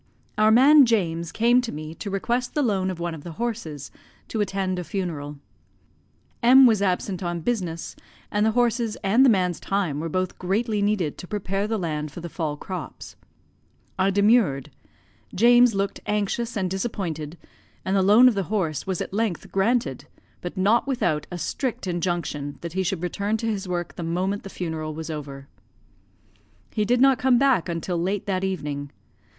Our man James came to me to request the loan of one of the horses, to attend a funeral. M was absent on business, and the horses and the man's time were both greatly needed to prepare the land for the fall crops. I demurred; James looked anxious and disappointed; and the loan of the horse was at length granted, but not without a strict injunction that he should return to his work the moment the funeral was over. He did not come back until late that evening.